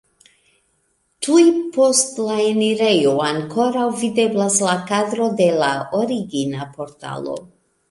Tuj post la enirejo ankoraŭ videblas la kadro de la origina portalo.